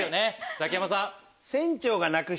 ザキヤマさん。